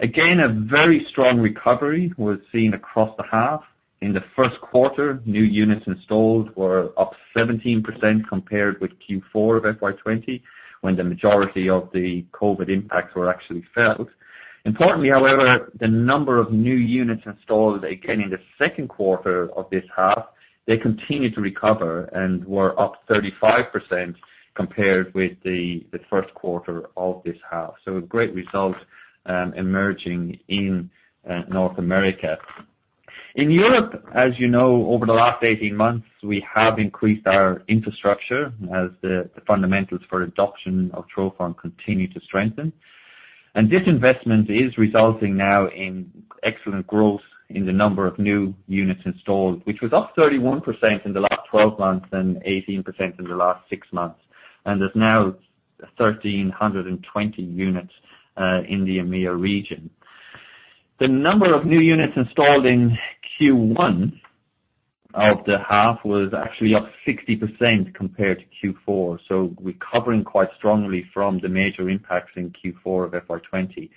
Again, a very strong recovery was seen across the half. In the first quarter, new units installed were up 17% compared with Q4 of FY20, when the majority of the COVID impacts were actually felt. Importantly, however, the number of new units installed again in the second quarter of this half, they continued to recover and were up 35% compared with the first quarter of this half. A great result emerging in North America. In Europe, as you know, over the last 18 months, we have increased our infrastructure as the fundamentals for adoption of trophon continue to strengthen. This investment is resulting now in excellent growth in the number of new units installed, which was up 31% in the last 12 months and 18% in the last six months. There's now 1,320 units in the EMEA region. The number of new units installed in Q1 of the half was actually up 60% compared to Q4, recovering quite strongly from the major impacts in Q4 of FY20.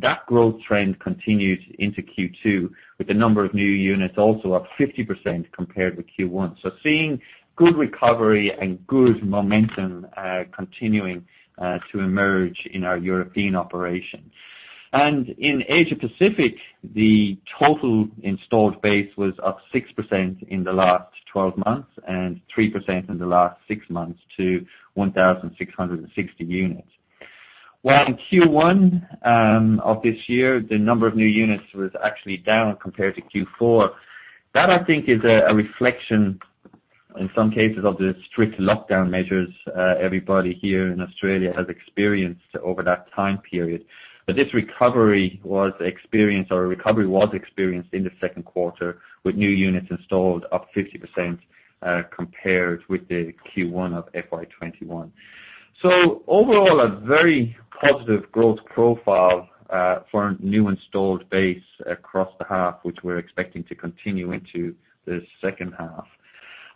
That growth trend continued into Q2, with the number of new units also up 50% compared with Q1. Seeing good recovery and good momentum continuing to emerge in our European operations. In Asia Pacific, the total installed base was up 6% in the last 12 months and 3% in the last six months to 1,660 units. While in Q1 of this year, the number of new units was actually down compared to Q4. That I think is a reflection, in some cases, of the strict lockdown measures everybody here in Australia has experienced over that time period. This recovery was experienced, or recovery was experienced in the second quarter, with new units installed up 50% compared with the Q1 of FY21. Overall, a very positive growth profile for new installed base across the half, which we're expecting to continue into the second half.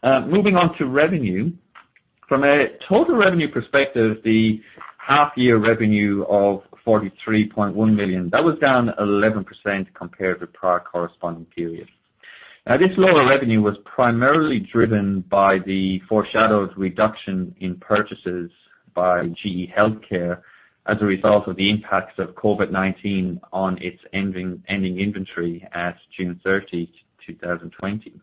Moving on to revenue. From a total revenue perspective, the half-year revenue of 43.1 million, that was down 11% compared to prior corresponding period. This lower revenue was primarily driven by the foreshadowed reduction in purchases by GE HealthCare as a result of the impacts of COVID-19 on its ending inventory at June 30, 2020.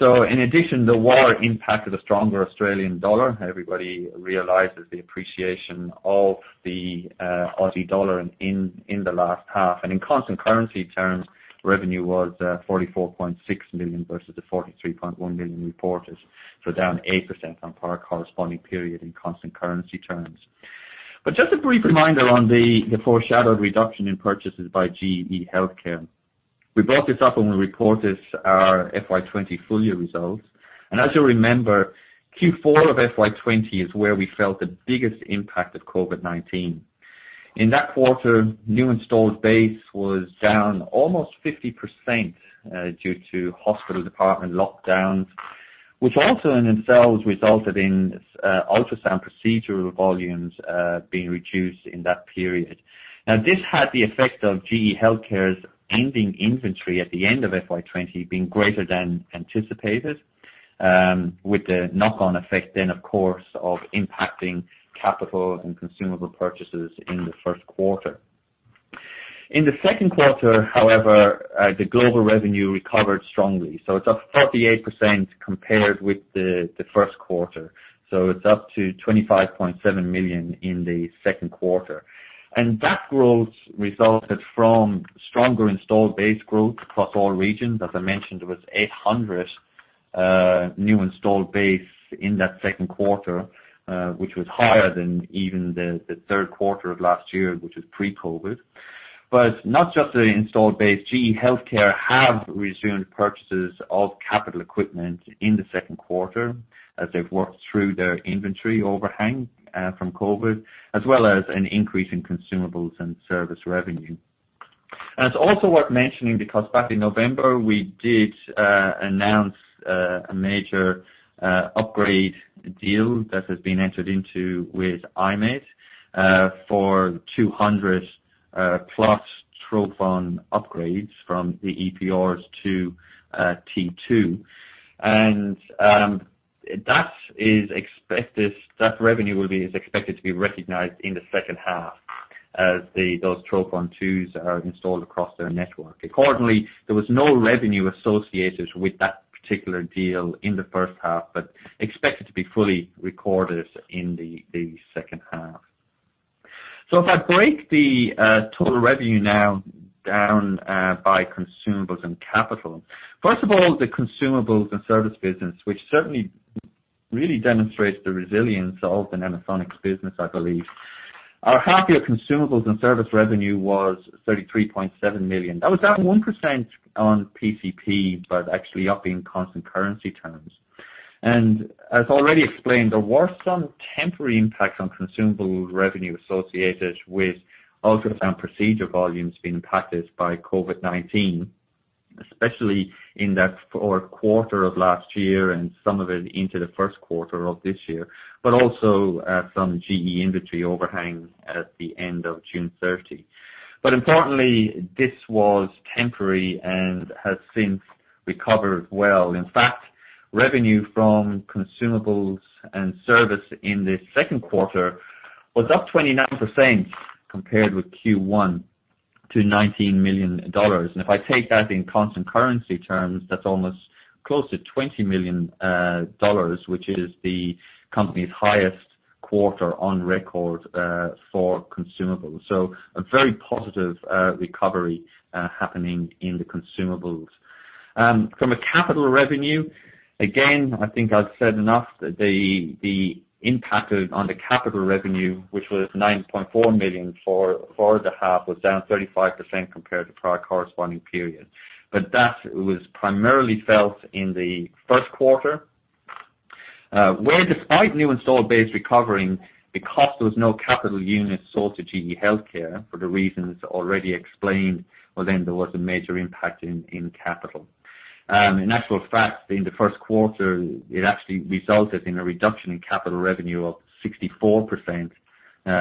In addition, there were impact of the stronger Australian dollar. Everybody realizes the appreciation of the Aussie dollar in the last half. In constant currency terms, revenue was 44.6 million versus the 43.1 million reported, so down 8% on prior corresponding period in constant currency terms. Just a brief reminder on the foreshadowed reduction in purchases by GE HealthCare. We brought this up when we reported our FY20 full-year results. As you'll remember, Q4 of FY20 is where we felt the biggest impact of COVID-19. In that quarter, new installed base was down almost 50% due to hospital department lockdowns, which also in themselves resulted in ultrasound procedural volumes being reduced in that period. This had the effect of GE HealthCare's ending inventory at the end of FY20 being greater than anticipated, with the knock-on effect then, of course, of impacting capital and consumable purchases in the first quarter. In the second quarter, however, the global revenue recovered strongly. It's up 38% compared with the first quarter. It's up to 25.7 million in the second quarter. That growth resulted from stronger installed base growth across all regions. As I mentioned, there was 800 new installed base in that second quarter, which was higher than even the third quarter of last year, which was pre-COVID. Not just the installed base. GE HealthCare have resumed purchases of capital equipment in the second quarter as they've worked through their inventory overhang from COVID, as well as an increase in consumables and service revenue. It's also worth mentioning because back in November, we did announce a major upgrade deal that has been entered into with I-MED for 200+ trophon upgrades from the EPRs to T2. That revenue is expected to be recognized in the second half as those trophon2s are installed across their network. Accordingly, there was no revenue associated with that particular deal in the first half, but expected to be fully recorded in the second half. If I break the total revenue now down by consumables and capital. First of all, the consumables and service business, which certainly really demonstrates the resilience of the Nanosonics business, I believe. Our half-year consumables and service revenue was 33.7 million. That was down 1% on PCP, but actually up in constant currency terms. As already explained, there were some temporary impacts on consumable revenue associated with ultrasound procedure volumes being impacted by COVID-19. Especially in that fourth quarter of last year and some of it into the first quarter of this year, also some GE inventory overhang at the end of June 30. Importantly, this was temporary and has since recovered well. In fact, revenue from consumables and service in the second quarter was up 29% compared with Q1, to 19 million dollars. If I take that in constant currency terms, that's almost close to 20 million dollars, which is the company's highest quarter on record for consumables. A very positive recovery happening in the consumables. From a capital revenue, again, I think I've said enough that the impact on the capital revenue, which was 9.4 million for the half, was down 35% compared to prior corresponding period. That was primarily felt in the first quarter, where despite new install base recovering, because there was no capital units sold to GE HealthCare for the reasons already explained, then there was a major impact in capital. In actual fact, in the first quarter, it actually resulted in a reduction in capital revenue of 64%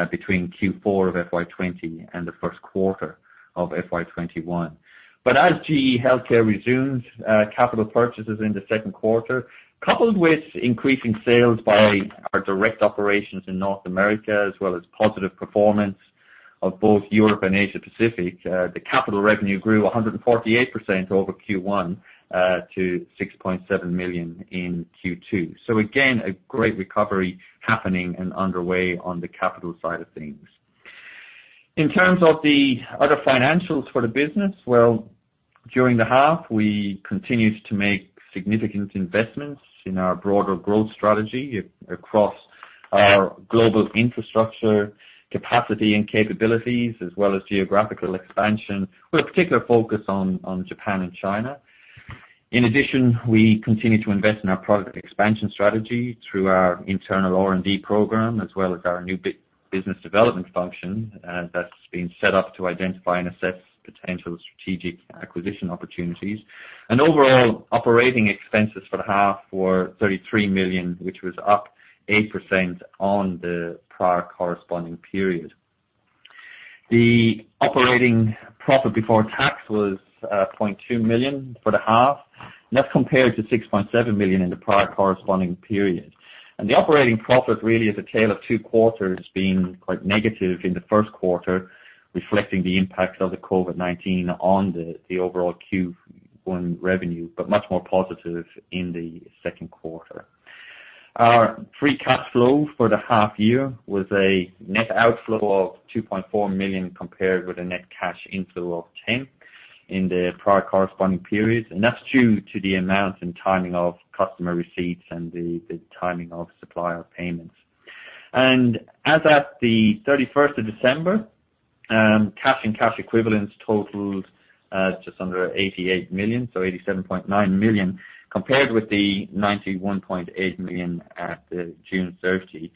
between Q4 of FY20 and the first quarter of FY21. As GE HealthCare resumes capital purchases in the second quarter, coupled with increasing sales by our direct operations in North America, as well as positive performance of both Europe and Asia Pacific, the capital revenue grew 148% over Q1 to 6.7 million in Q2. Again, a great recovery happening and underway on the capital side of things. In terms of the other financials for the business, well, during the half, we continued to make significant investments in our broader growth strategy across our global infrastructure capacity and capabilities, as well as geographical expansion, with a particular focus on Japan and China. In addition, we continued to invest in our product expansion strategy through our internal R&D program, as well as our new business development function that's been set up to identify and assess potential strategic acquisition opportunities. Overall operating expenses for the half were 33 million, which was up 8% on the prior corresponding period. The operating profit before tax was 0.2 million for the half, and that's compared to 6.7 million in the prior corresponding period. The operating profit really is a tale of two quarters, being quite negative in the first quarter, reflecting the impact of the COVID-19 on the overall Q1 revenue, much more positive in the second quarter. Our free cash flow for the half year was a net outflow of 2.4 million compared with a net cash inflow of 10 in the prior corresponding periods. That's due to the amount and timing of customer receipts and the timing of supplier payments. As at the 31st of December, cash and cash equivalents totaled just under 88 million, so 87.9 million, compared with the 91.8 million at June 30.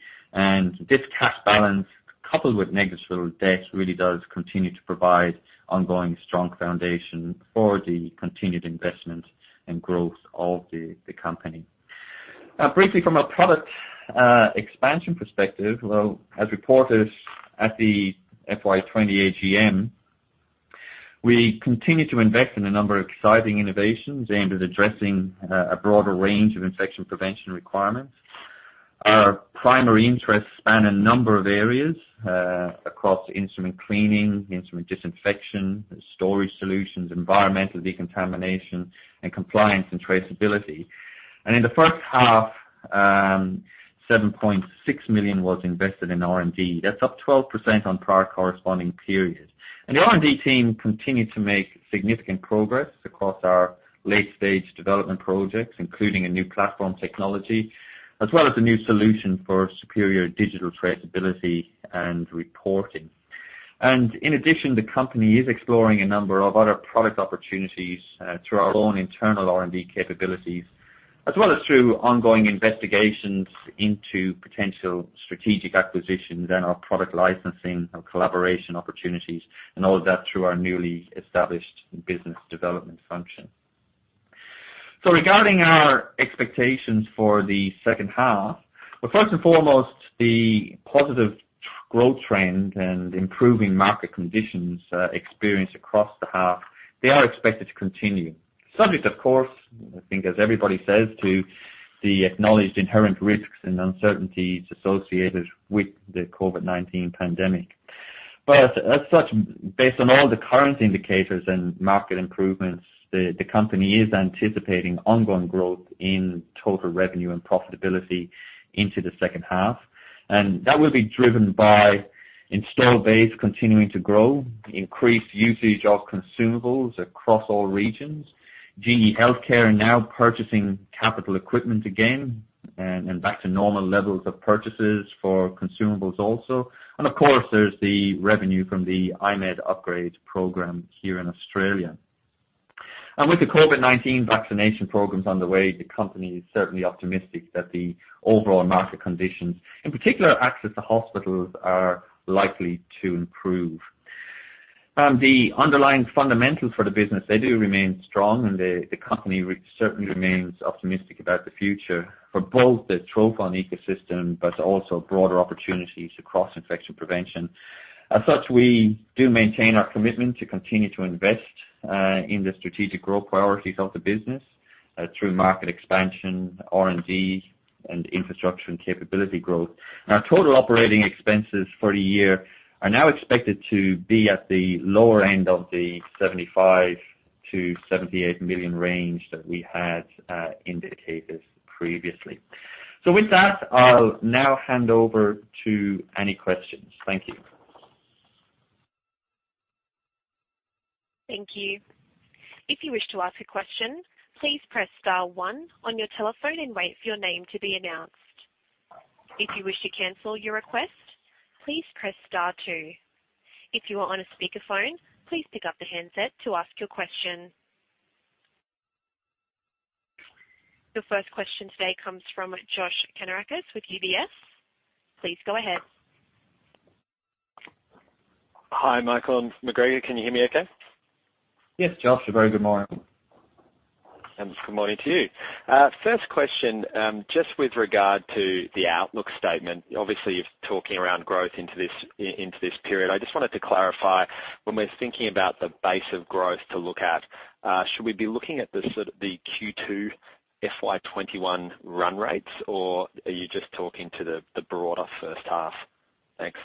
This cash balance, coupled with negligible debt, really does continue to provide ongoing strong foundation for the continued investment and growth of the company. Briefly from a product expansion perspective, well, as reported at the FY20 AGM, we continued to invest in a number of exciting innovations aimed at addressing a broader range of infection prevention requirements. Our primary interests span a number of areas across instrument cleaning, instrument disinfection, storage solutions, environmental decontamination, and compliance and traceability. In the first half, 7.6 million was invested in R&D. That's up 12% on prior corresponding periods. The R&D team continued to make significant progress across our late-stage development projects, including a new platform technology, as well as a new solution for superior digital traceability and reporting. In addition, the company is exploring a number of other product opportunities through our own internal R&D capabilities, as well as through ongoing investigations into potential strategic acquisitions and our product licensing and collaboration opportunities, and all of that through our newly established business development function. Regarding our expectations for the second half, well, first and foremost, the positive growth trend and improving market conditions experienced across the half, they are expected to continue. Subject, of course, I think as everybody says, to the acknowledged inherent risks and uncertainties associated with the COVID-19 pandemic. As such, based on all the current indicators and market improvements, the company is anticipating ongoing growth in total revenue and profitability into the second half. That will be driven by install base continuing to grow, increased usage of consumables across all regions, GE HealthCare now purchasing capital equipment again, and back to normal levels of purchases for consumables also. Of course, there's the revenue from the I-MED upgrade program here in Australia. With the COVID-19 vaccination programs underway, the company is certainly optimistic that the overall market conditions, in particular access to hospitals, are likely to improve. The underlying fundamentals for the business, they do remain strong, and the company certainly remains optimistic about the future for both the trophon ecosystem, but also broader opportunities across infection prevention. As such, we do maintain our commitment to continue to invest in the strategic growth priorities of the business through market expansion, R&D, and infrastructure and capability growth. Our total operating expenses for the year are now expected to be at the lower end of the 75 million-78 million range that we had indicated previously. With that, I'll now hand over to any questions. Thank you. Thank you. If you wish to ask a question, please press star one on your telephone and wait for your name to be announced. If you wish to cancel your request, please press star two. If you are on a speakerphone, please pick up the handset to ask your question. The first question today comes from Josh Kannourakis with UBS. Please go ahead. Hi, Michael and McGregor. Can you hear me okay? Yes, Josh. Very good morning. Good morning to you. First question, just with regard to the outlook statement. Obviously, you're talking around growth into this period. I just wanted to clarify, when we're thinking about the base of growth to look at, should we be looking at the Q2 FY 2021 run rates, or are you just talking to the broader first half? Thanks.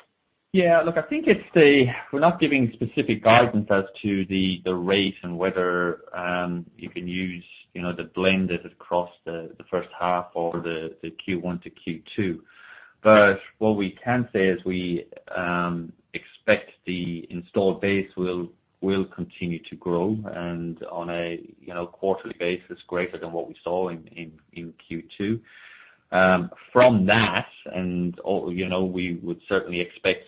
Look, I think we're not giving specific guidance as to the rate and whether you can use the blend that is across the first half or the Q1 to Q2. What we can say is we expect the installed base will continue to grow and on a quarterly basis, greater than what we saw in Q2. From that, we would certainly expect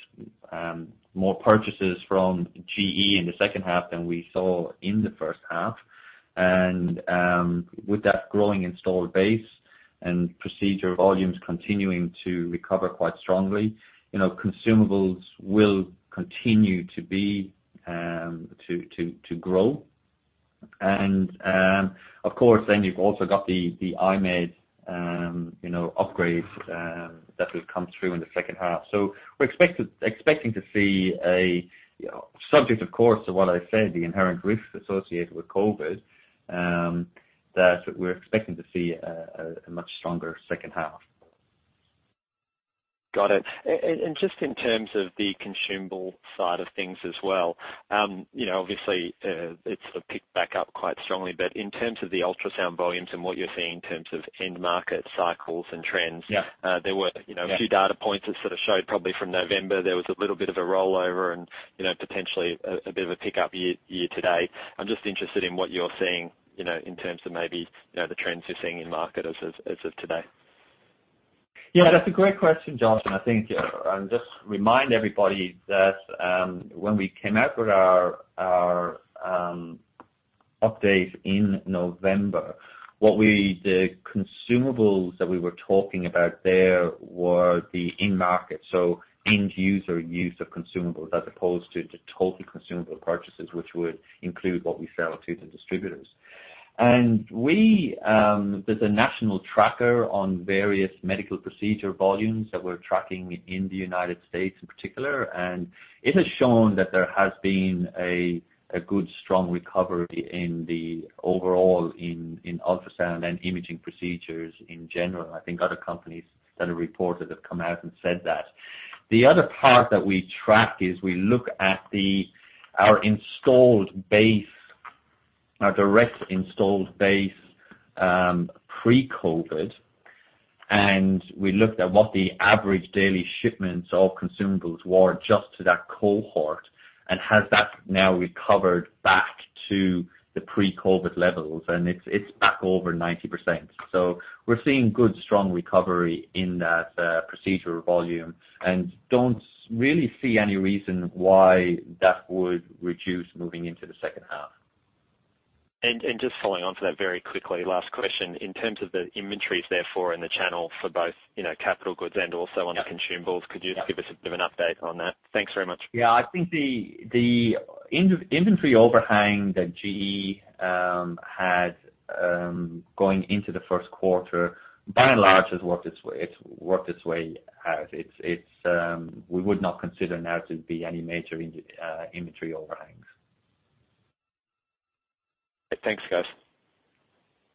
more purchases from GE in the second half than we saw in the first half. With that growing installed base and procedure volumes continuing to recover quite strongly, consumables will continue to grow. Of course, then you've also got the I-MED upgrades that will come through in the second half. We're expecting to see a, subject of course, to what I said, the inherent risk associated with COVID-19, that we're expecting to see a much stronger second half. Got it. Just in terms of the consumable side of things as well. Obviously, it's picked back up quite strongly, in terms of the ultrasound volumes and what you're seeing in terms of end market cycles and trends. Yeah. There were a few data points that showed probably from November, there was a little bit of a rollover and potentially a bit of a pickup year to date. I'm just interested in what you're seeing in terms of maybe the trends you're seeing in market as of today. Yeah, that's a great question, Josh, and I think, and just remind everybody that when we came out with our update in November, the consumables that we were talking about there were the in-market, so end user use of consumables as opposed to the total consumable purchases, which would include what we sell to the distributors. There's a National Tracker on various medical procedure volumes that we're tracking in the United States in particular, and it has shown that there has been a good strong recovery in the overall in ultrasound and imaging procedures in general. I think other companies that have reported have come out and said that. The other part that we track is we look at our installed base, our direct installed base pre-COVID, and we looked at what the average daily shipments of consumables were just to that cohort and has that now recovered back to the pre-COVID levels, and it's back over 90%. We're seeing good, strong recovery in that procedure volume and don't really see any reason why that would reduce moving into the second half. Just following on to that very quickly. Last question. In terms of the inventories therefore and the channel for both capital goods and also on the consumables, could you give us a bit of an update on that? Thanks very much. I think the inventory overhang that GE had going into the first quarter by and large has worked its way out. We would not consider now to be any major inventory overhangs. Thanks, guys.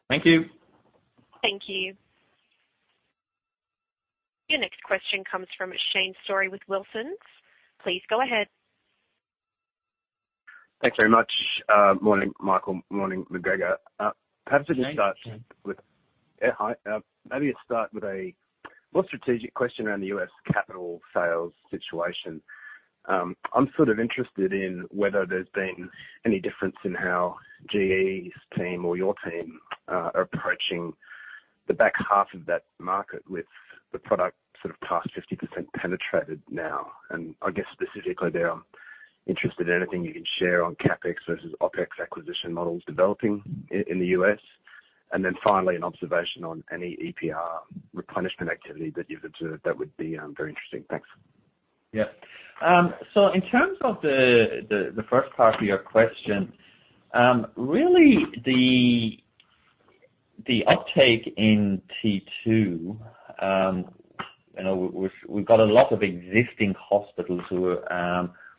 Thank you. Thank you. Your next question comes from Shane Storey with Wilsons. Please go ahead. Thanks very much. Morning, Michael. Morning, MacGregor. Shane? Yeah, hi. Maybe to start with a more strategic question around the U.S. capital sales situation. I'm sort of interested in whether there's been any difference in how GE HealthCare's team or your team are approaching the back half of that market with the product sort of past 50% penetrated now. I guess specifically there, I'm interested in anything you can share on CapEx versus OpEx acquisition models developing in the U.S. Then finally, an observation on any EPR replenishment activity that you've observed, that would be very interesting. Thanks. Yeah. In terms of the first part of your question, really the uptake in T2, we've got a lot of existing hospitals who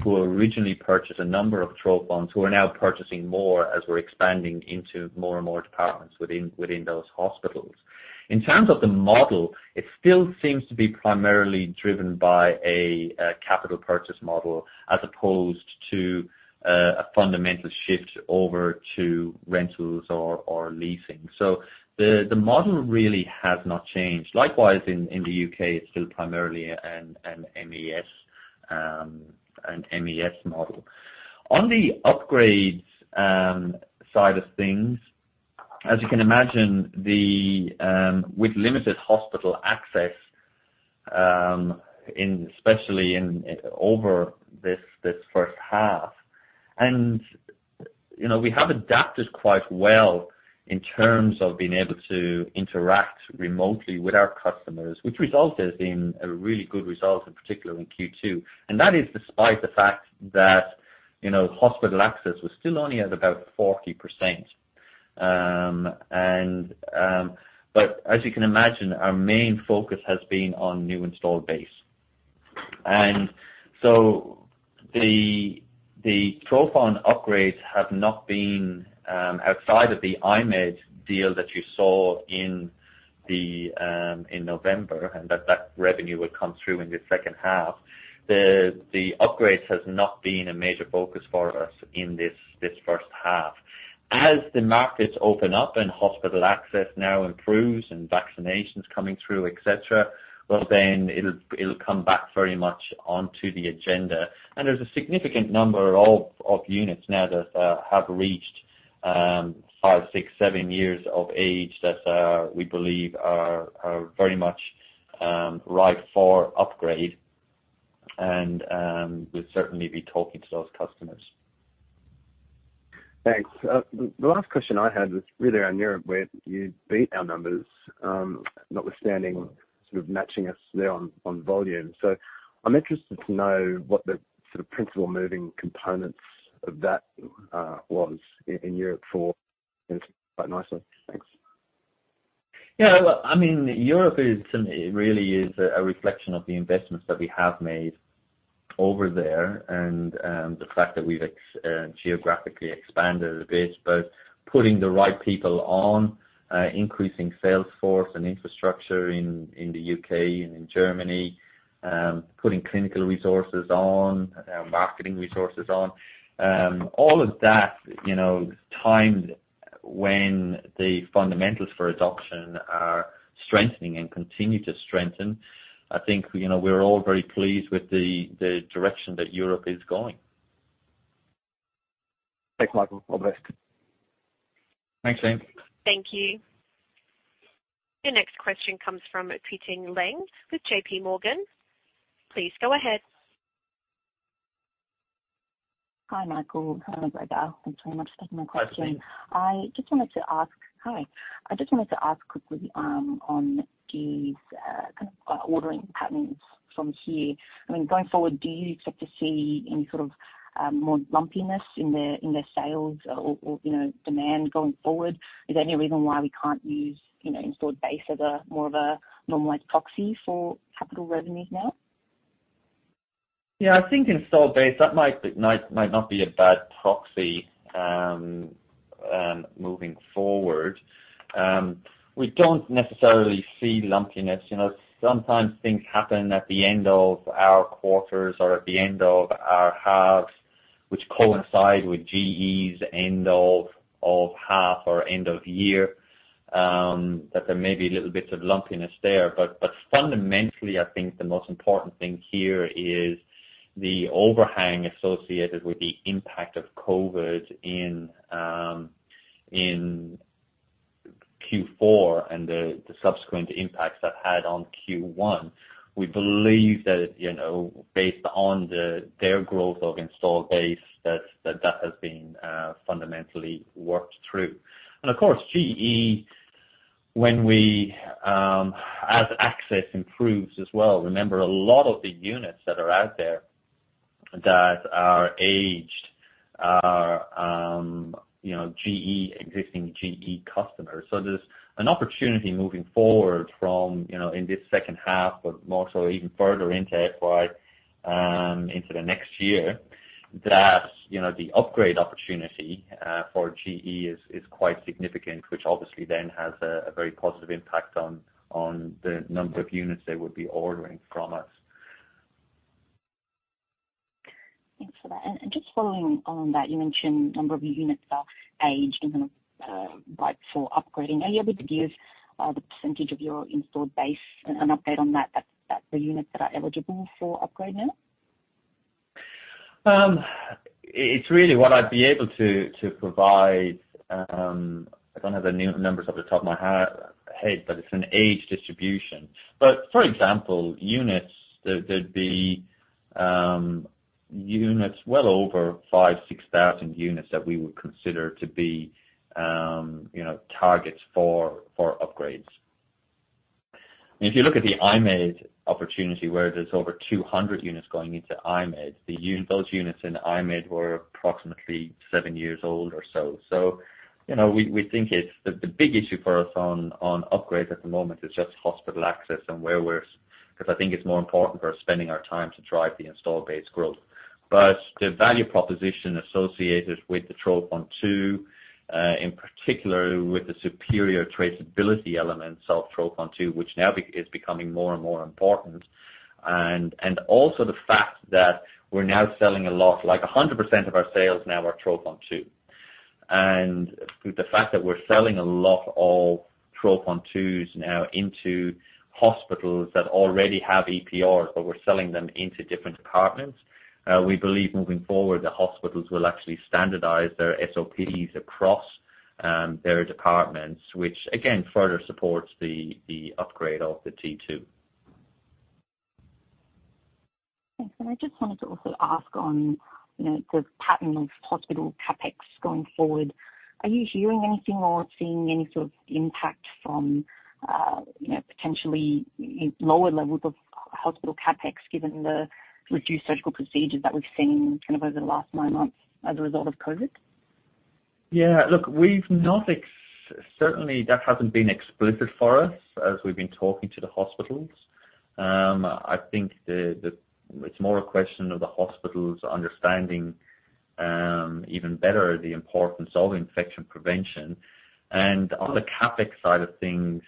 originally purchased a number of trophons, who are now purchasing more as we're expanding into more and more departments within those hospitals. In terms of the model, it still seems to be primarily driven by a capital purchase model as opposed to a fundamental shift over to rentals or leasing. The model really has not changed. Likewise, in the U.K., it's still primarily an MES model. On the upgrades side of things, as you can imagine, with limited hospital access, especially over this first half, we have adapted quite well in terms of being able to interact remotely with our customers, which results as being a really good result, in particular in Q2. That is despite the fact that hospital access was still only at about 40%. As you can imagine, our main focus has been on new installed base. The trophon upgrades have not been outside of the I-MED deal that you saw in November, and that revenue would come through in the second half. The upgrades has not been a major focus for us in this first half. As the markets open up and hospital access now improves and vaccination's coming through, et cetera, well then it'll come back very much onto the agenda. There's a significant number of units now that have reached five, six, seven years of age that we believe are very much ripe for upgrade. We'll certainly be talking to those customers. Thanks. The last question I had was really around Europe, where you beat our numbers, notwithstanding sort of matching us there on volume. I'm interested to know what the principal moving components of that was in Europe for quite nicely. Thanks. Yeah. Europe really is a reflection of the investments that we have made over there and the fact that we've geographically expanded a bit, both putting the right people on, increasing sales force and infrastructure in the U.K. and in Germany, putting clinical resources on, marketing resources on. All of that, timed when the fundamentals for adoption are strengthening and continue to strengthen. I think, we're all very pleased with the direction that Europe is going. Thanks, Michael. All the best. Thanks, Shane. Thank you. Your next question comes from Peng Cheng with JPMorgan. Please go ahead. Hi, Michael. Hi, McGregor. Thanks very much for taking my question. Hi, Peng. Hi. I just wanted to ask quickly on GE's ordering patterns from here. Going forward, do you expect to see any sort of more lumpiness in their sales or demand going forward? Is there any reason why we can't use installed base as more of a normalized proxy for capital revenues now? Yeah, I think installed base, that might not be a bad proxy moving forward. We don't necessarily see lumpiness. Sometimes things happen at the end of our quarters or at the end of our halves, which coincide with GE HealthCare's end of half or end of year, that there may be little bits of lumpiness there. Fundamentally, I think the most important thing here is the overhang associated with the impact of COVID-19 in Q4 and the subsequent impacts that had on Q1. We believe that based on their growth of installed base, that that has been fundamentally worked through. Of course, GE HealthCare, as access improves as well, remember a lot of the units that are out there that are aged are existing GE HealthCare customers. There's an opportunity moving forward from in this second half, but more so even further into FY, into the next year, that the upgrade opportunity for GE is quite significant, which obviously then has a very positive impact on the number of units they would be ordering from us. Thanks for that. Just following on that, you mentioned a number of units are aged and ripe for upgrading. Are you able to give the percentage of your installed base, an update on the units that are eligible for upgrade now? It's really what I'd be able to provide, I don't have the numbers off the top of my head. It's an age distribution. For example, units, there'd be units well over 5,000, 6,000 units that we would consider to be targets for upgrades. If you look at the I-MED opportunity, where there's over 200 units going into I-MED, those units in I-MED were approximately seven years old or so. We think the big issue for us on upgrades at the moment is just hospital access and wherewith. Because I think it's more important for us spending our time to drive the install base growth. The value proposition associated with the trophon2, in particular with the superior traceability elements of trophon2, which now is becoming more and more important. Also the fact that we're now selling a lot, like 100% of our sales now are trophon2. The fact that we're selling a lot of trophon2s now into hospitals that already have EPRs, but we're selling them into different departments. We believe moving forward, the hospitals will actually standardize their SOPs across their departments, which again, further supports the upgrade of the T2. Thanks. I just wanted to also ask on the pattern of hospital CapEx going forward. Are you hearing anything or seeing any sort of impact from potentially lower levels of hospital CapEx, given the reduced surgical procedures that we've seen kind of over the last nine months as a result of COVID? Yeah. Look, certainly that hasn't been explicit for us as we've been talking to the hospitals. I think it's more a question of the hospitals understanding even better the importance of infection prevention. On the CapEx side of things,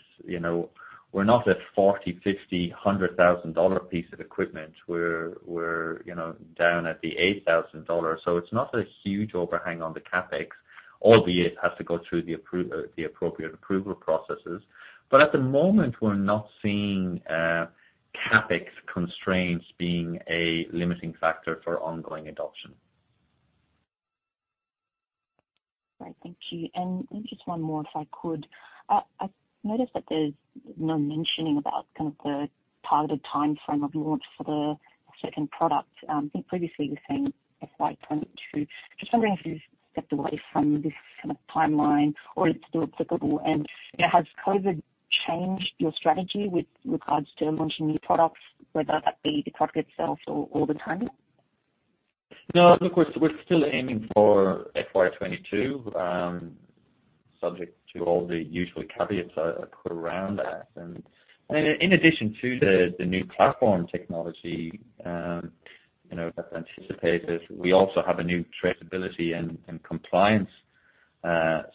we're not at 40,000 dollar, 50,000 dollar, 100,000 dollar piece of equipment. We're down at the 8,000 dollars. It's not a huge overhang on the CapEx, albeit has to go through the appropriate approval processes. At the moment, we're not seeing CapEx constraints being a limiting factor for ongoing adoption. Great. Thank you. Maybe just one more, if I could. I noticed that there's no mentioning about kind of the targeted timeframe of launch for the second product. I think previously you were saying FY22. Just wondering if you've stepped away from this kind of timeline or it's still applicable. Has COVID-19 changed your strategy with regards to launching new products, whether that be the product itself or the timing? No. Look, we're still aiming for FY 2022, subject to all the usual caveats I put around that. In addition to the new platform technology that's anticipated, we also have a new traceability and compliance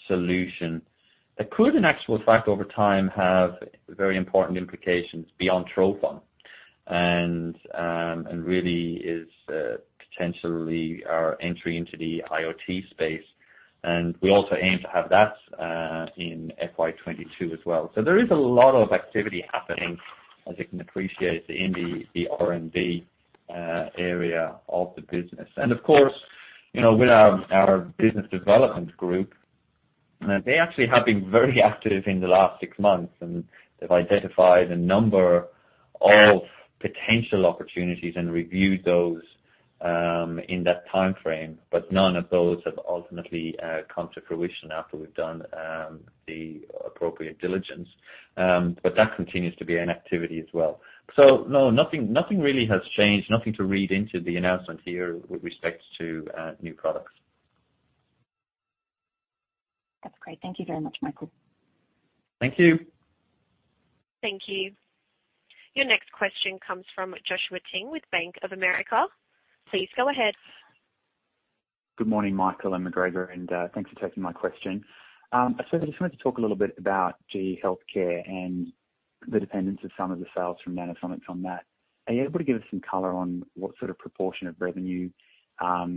solution that could, in actual fact, over time, have very important implications beyond trophon. Really is potentially our entry into the IoT space. We also aim to have that in FY 2022 as well. There is a lot of activity happening, as you can appreciate, in the R&D area of the business. Of course, with our business development group, they actually have been very active in the last six months, and they've identified a number of potential opportunities and reviewed those in that timeframe. None of those have ultimately come to fruition after we've done the appropriate diligence. That continues to be an activity as well. No, nothing really has changed. Nothing to read into the announcement here with respect to new products. That's great. Thank you very much, Michael. Thank you. Thank you. Your next question comes from Joshua Ting with Bank of America. Please go ahead. Good morning, Michael and McGregor, thanks for taking my question. I just wanted to talk a little bit about GE HealthCare and the dependence of some of the sales from Nanosonics on that. Are you able to give us some color on what sort of proportion of revenue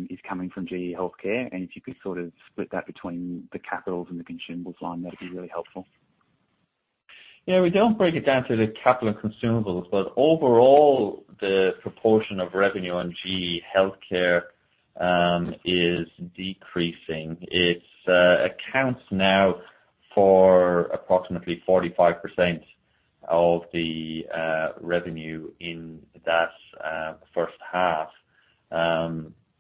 is coming from GE HealthCare, and if you could sort of split that between the capitals and the consumables line, that'd be really helpful. We don't break it down to the capital and consumables, but overall, the proportion of revenue on GE HealthCare is decreasing. It accounts now for approximately 45% of the revenue in that first half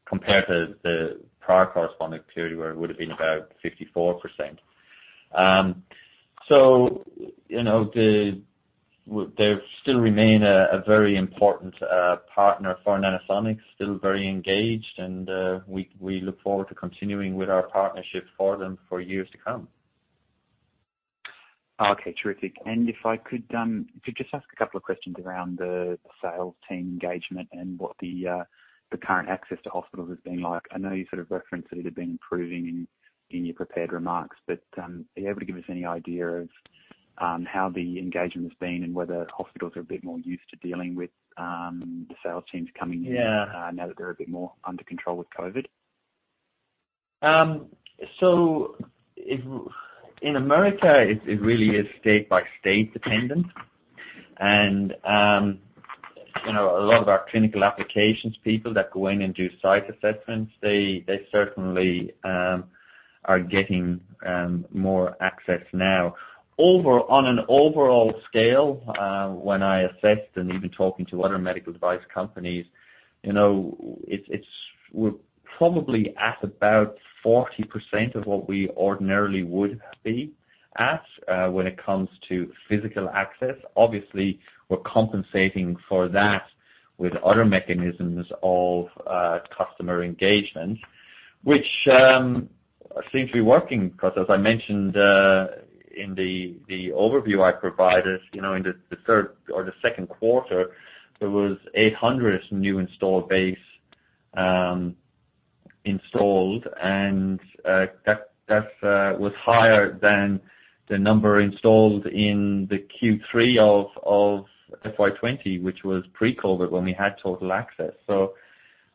compared to the prior corresponding period, where it would've been about 54%. They still remain a very important partner for Nanosonics, still very engaged, and we look forward to continuing with our partnership for them for years to come. Okay. Terrific. If I could just ask a couple of questions around the sales team engagement and what the current access to hospitals has been like. I know you sort of referenced that it had been improving in your prepared remarks, are you able to give us any idea of how the engagement has been and whether hospitals are a bit more used to dealing with the sales teams coming in? Yeah. Now that they're a bit more under control with COVID? In the U.S., it really is state-by-state dependent. A lot of our clinical applications people that go in and do site assessments, they certainly are getting more access now. On an overall scale, when I assessed and even talking to other medical device companies, we're probably at about 40% of what we ordinarily would be at when it comes to physical access. Obviously, we're compensating for that with other mechanisms of customer engagement, which seems to be working because as I mentioned in the overview I provided, in the third or the second quarter, there was 800 new install base installed. That was higher than the number installed in the Q3 of FY 2020, which was pre-COVID, when we had total access.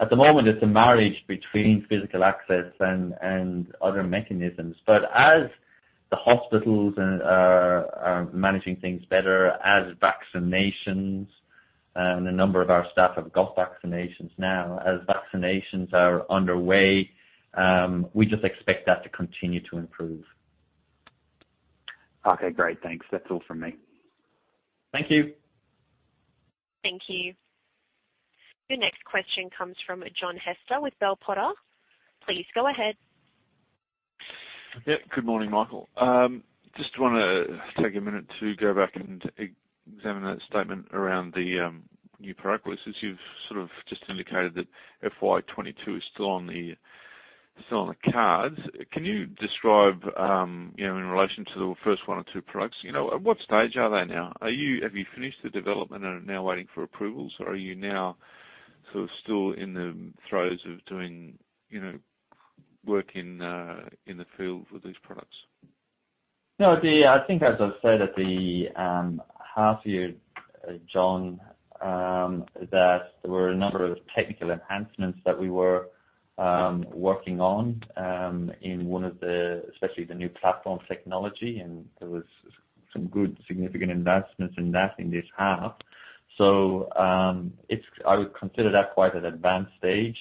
At the moment, it's a marriage between physical access and other mechanisms. As the hospitals are managing things better, as vaccinations, a number of our staff have got vaccinations now, as vaccinations are underway, we just expect that to continue to improve. Okay, great. Thanks. That's all from me. Thank you. Thank you. Your next question comes from John Hester with Bell Potter. Please go ahead. Yep. Good morning, Michael. Just want to take a minute to go back and examine that statement around the new product release, since you've sort of just indicated that FY22 is still on the cards. Can you describe, in relation to the first one or two products, at what stage are they now? Have you finished the development and are now waiting for approvals, or are you now sort of still in the throes of doing work in the field with these products? No, I think as I've said at the half year, John, that there were a number of technical enhancements that we were working on, in one of the, especially the new platform technology. There was some good significant advancements in that in this half. I would consider that quite an advanced stage.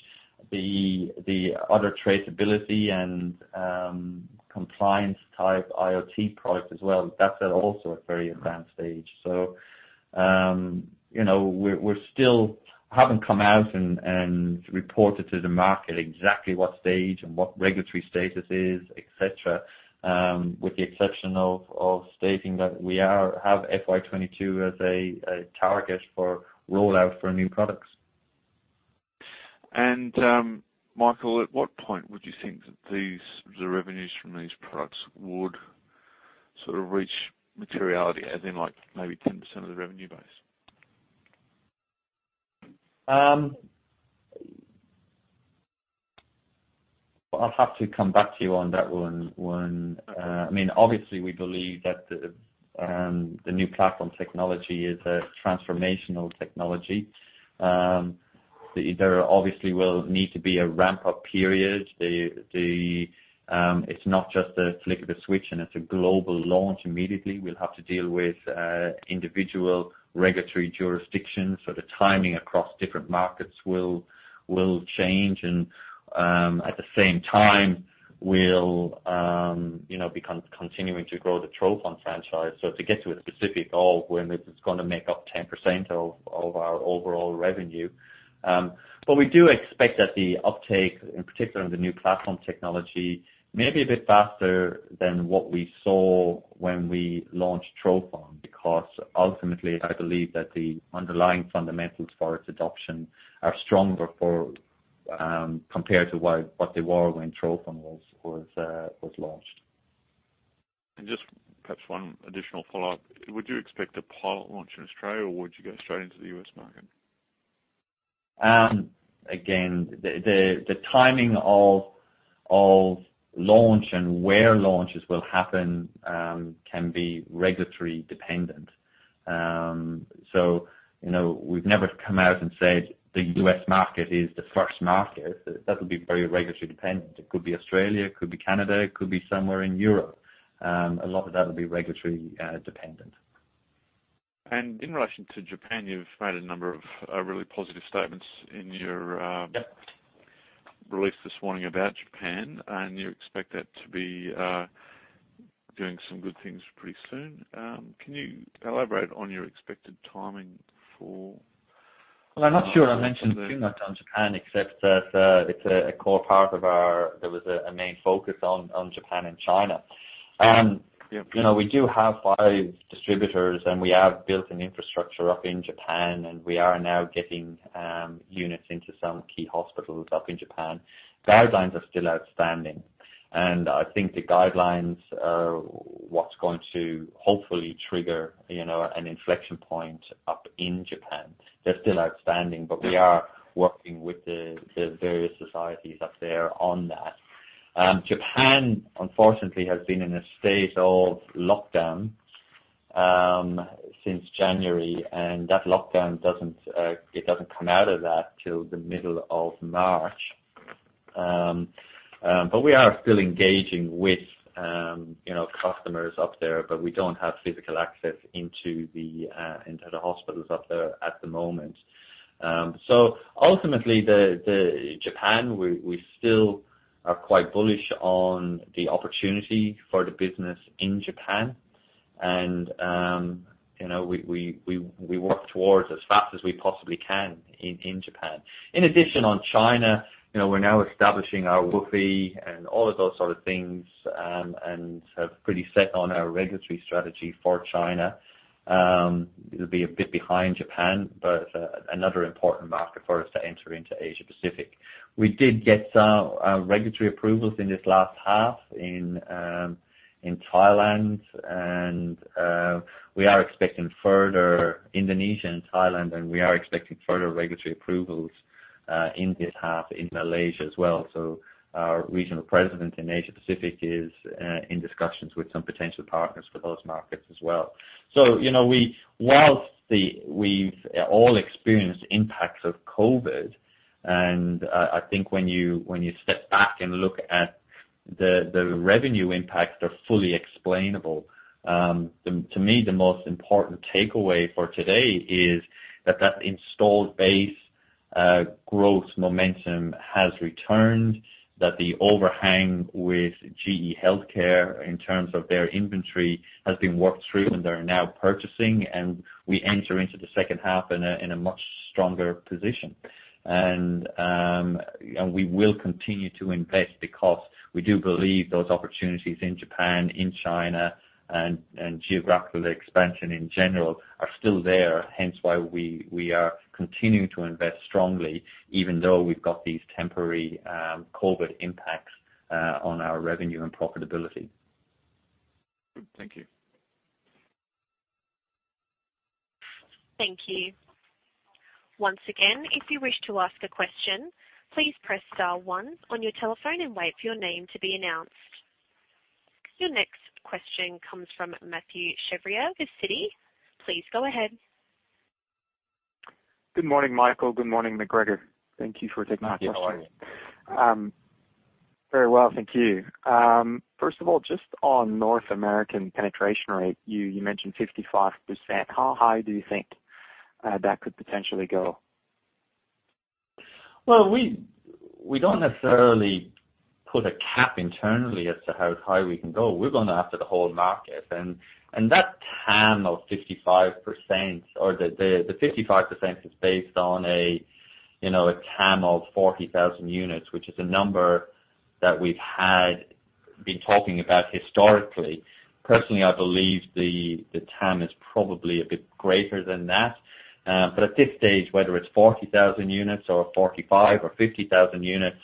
The other traceability and compliance type IoT product as well, that's at also a very advanced stage. We still haven't come out and reported to the market exactly what stage and what regulatory status is, et cetera, with the exception of stating that we have FY 2022 as a target for rollout for new products. Michael, at what point would you think that the revenues from these products would sort of reach materiality as in like maybe 10% of the revenue base? I'll have to come back to you on that one. Obviously, we believe that the new platform technology is a transformational technology. There obviously will need to be a ramp-up period. It's not just a flick of a switch and it's a global launch immediately. We'll have to deal with individual regulatory jurisdictions. The timing across different markets will change and at the same time we'll be continuing to grow the trophon franchise. To get to a specific goal of when this is going to make up 10% of our overall revenue. We do expect that the uptake, in particular of the new platform technology, may be a bit faster than what we saw when we launched trophon, because ultimately I believe that the underlying fundamentals for its adoption are stronger compared to what they were when trophon was launched. Just perhaps one additional follow-up. Would you expect a pilot launch in Australia or would you go straight into the U.S. market? The timing of launch and where launches will happen can be regulatory dependent. We've never come out and said the U.S. market is the first market. That'll be very regulatory dependent. It could be Australia, it could be Canada, it could be somewhere in Europe. A lot of that will be regulatory dependent. In relation to Japan, you've made a number of really positive statements in your release this morning about Japan, and you expect that to be doing some good things pretty soon. Can you elaborate on your expected timing? Well, I'm not sure I mentioned too much on Japan except that it's a core part. There was a main focus on Japan and China. Yep. We do have five distributors, and we have built an infrastructure up in Japan, and we are now getting units into some key hospitals up in Japan. The guidelines are still outstanding. I think the guidelines are what's going to hopefully trigger an inflection point up in Japan. They're still outstanding, we are working with the various societies up there on that. Japan, unfortunately, has been in a state of lockdown since January, that lockdown doesn't come out of that till the middle of March. We are still engaging with customers up there, but we don't have physical access into the hospitals up there at the moment. Ultimately, Japan, we still are quite bullish on the opportunity for the business in Japan. We work towards as fast as we possibly can in Japan. In addition, on China, we're now establishing our WFOE and all of those sort of things, and have pretty set on our regulatory strategy for China. It'll be a bit behind Japan, another important market for us to enter into Asia Pacific. We did get some regulatory approvals in this last half in Thailand. We are expecting further Indonesia and Thailand, and we are expecting further regulatory approvals in this half in Malaysia as well. Our regional president in Asia Pacific is in discussions with some potential partners for those markets as well. Whilst we've all experienced the impacts of COVID, and I think when you step back and look at the revenue impacts are fully explainable. To me, the most important takeaway for today is that installed base growth momentum has returned, that the overhang with GE HealthCare in terms of their inventory has been worked through and they're now purchasing, and we enter into the second half in a much stronger position. We will continue to invest because we do believe those opportunities in Japan, in China, and geographical expansion in general are still there. Hence why we are continuing to invest strongly even though we've got these temporary COVID-19 impacts on our revenue and profitability. Thank you. Thank you. Once again, if you wish to ask a question, please press star one on your telephone and wait for your name to be announced. Your next question comes from Mathieu Chevrier with Citi. Please go ahead. Good morning, Michael. Good morning, McGregor. Thank you for taking my question. Mathieu, how are you? Very well, thank you. First of all, just on North American penetration rate, you mentioned 55%. How high do you think that could potentially go? Well, we don't necessarily put a cap internally as to how high we can go. We're going after the whole market, and that TAM of 55%, or the 55% is based on a TAM of 40,000 units, which is a number that we've been talking about historically. Personally, I believe the TAM is probably a bit greater than that. At this stage, whether it's 40,000 units or 45,000 or 50,000 units,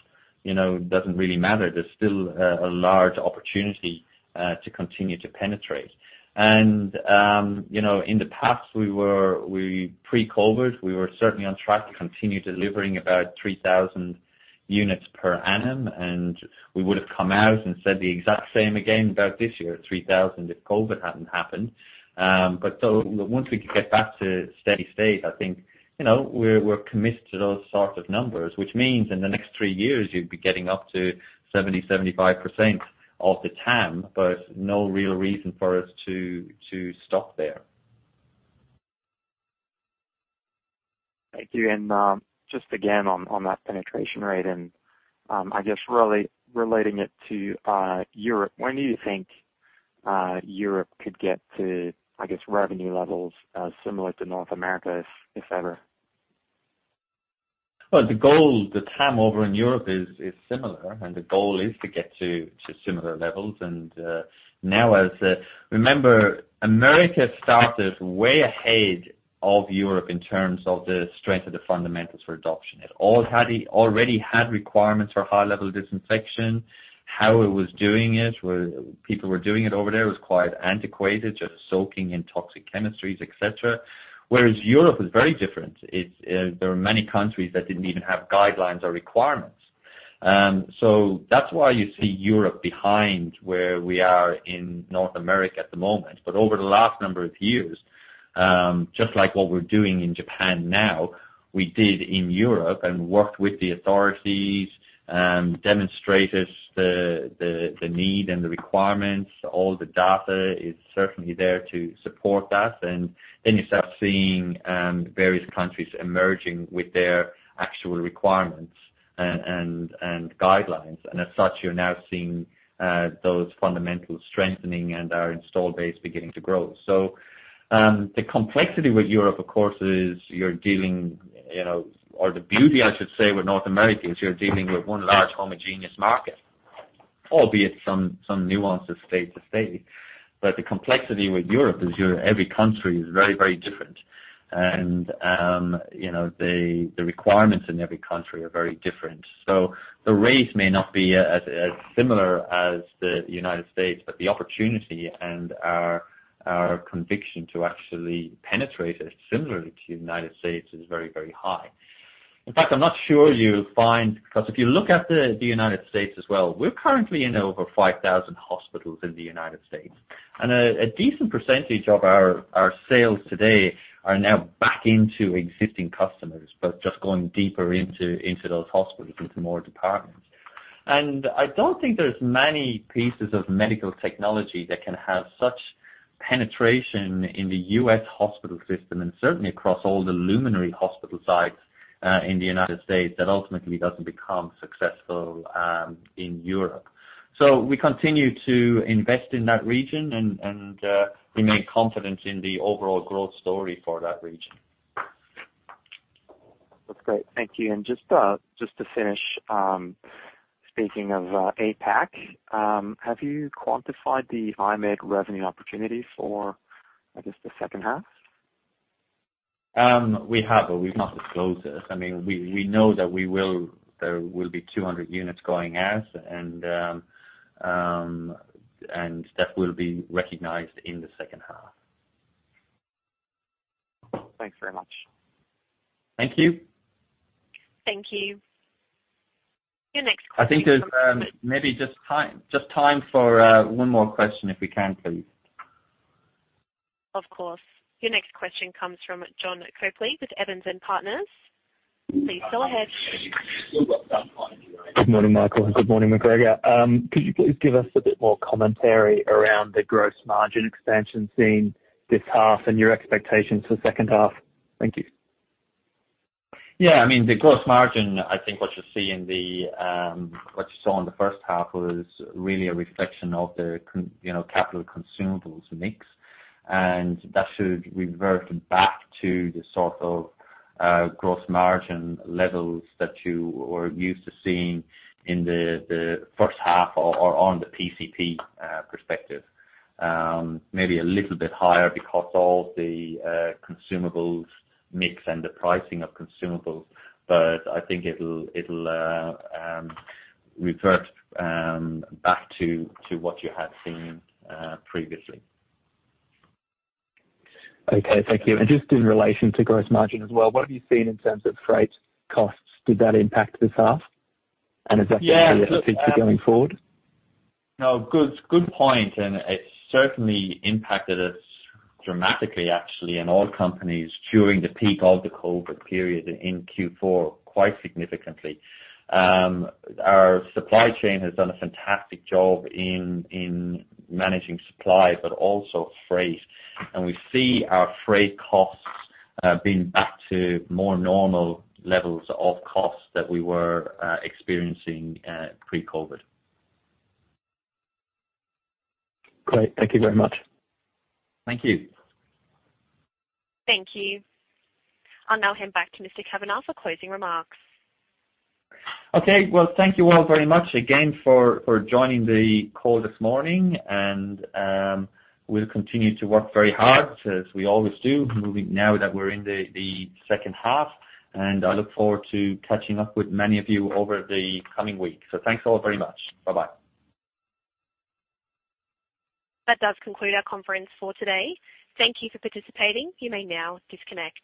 it doesn't really matter. There's still a large opportunity to continue to penetrate. In the past, pre-COVID, we were certainly on track to continue delivering about 3,000 units per annum, and we would've come out and said the exact same again about this year, 3,000, if COVID hadn't happened. Once we could get back to steady state, I think we're committed to those sort of numbers, which means in the next three years, you'd be getting up to 70%, 75% of the TAM, but no real reason for us to stop there. Thank you. Just again on that penetration rate really relating it to Europe. When do you think Europe could get to revenue levels similar to North America, if ever? The TAM over in Europe is similar, and the goal is to get to similar levels. Now as, remember, America started way ahead of Europe in terms of the strength of the fundamentals for adoption. It already had requirements for high-level disinfection. How it was doing it, people were doing it over there, it was quite antiquated, just soaking in toxic chemistries, et cetera. Whereas Europe was very different. There were many countries that didn't even have guidelines or requirements. That's why you see Europe behind where we are in North America at the moment. Over the last number of years, just like what we're doing in Japan now, we did in Europe and worked with the authorities, demonstrated the need and the requirements. All the data is certainly there to support that. Then you start seeing various countries emerging with their actual requirements and guidelines. As such, you're now seeing those fundamentals strengthening and our installed base beginning to grow. The complexity with Europe, of course, is you're dealing, or the beauty, I should say, with North America, is you're dealing with one large homogeneous market, albeit some nuances state to state. The complexity with Europe is every country is very different. The requirements in every country are very different. The rates may not be as similar as the United States, but the opportunity and our conviction to actually penetrate it similarly to the United States is very high. In fact, I'm not sure you'll find, because if you look at the United States as well, we're currently in over 5,000 hospitals in the United States. A decent percentage of our sales today are now back into existing customers, but just going deeper into those hospitals, into more departments. I don't think there's many pieces of medical technology that can have such penetration in the U.S. hospital system, and certainly across all the luminary hospital sites in the United States that ultimately doesn't become successful in Europe. We continue to invest in that region and remain confident in the overall growth story for that region. That's great. Thank you. Just to finish, speaking of APAC, have you quantified the I-MED revenue opportunity for, I guess, the second half? We have, but we cannot disclose it. We know that there will be 200 units going out. That will be recognized in the second half. Thanks very much. Thank you. Thank you. Your next question. I think there's maybe just time for one more question, if we can, please. Of course. Your next question comes from John Copeland with Evans and Partners. Please go ahead. Good morning, Michael, and good morning, MacGregor. Could you please give us a bit more commentary around the gross margin expansion seen this half and your expectations for the second half? Thank you. Yeah. The gross margin, I think what you saw in the first half was really a reflection of the capital consumables mix. That should revert back to the sort of gross margin levels that you were used to seeing in the first half or on the PCP perspective. Maybe a little bit higher because of the consumables mix and the pricing of consumables, but I think it'll revert back to what you had seen previously. Okay. Thank you. Just in relation to gross margin as well, what have you seen in terms of freight costs? Did that impact this half? Yeah. To look at going forward? No. Good point, it certainly impacted us dramatically, actually, and all companies during the peak of the COVID period in Q4, quite significantly. Our supply chain has done a fantastic job in managing supply, but also freight. We see our freight costs being back to more normal levels of costs that we were experiencing pre-COVID. Great. Thank you very much. Thank you. Thank you. I'll now hand back to Mr. Kavanagh for closing remarks. Okay. Well, thank you all very much again for joining the call this morning. We'll continue to work very hard, as we always do, now that we're in the second half. I look forward to catching up with many of you over the coming weeks. Thanks all very much. Bye-bye. That does conclude our conference for today. Thank You for participating. You may now disconnect.